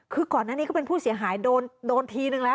คือก่อนหน้านี้ก็เป็นผู้เสียหายโดนทีนึงแล้ว